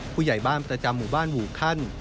ผู้ใหญ่บ้านประจำหมู่บ้านหมู่ขั้น